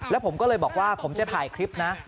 แล้วผมก็เลยบอกว่าผมจะถ่ายคลิปนะ